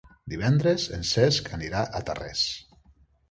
Divendres en Cesc anirà a Tarrés.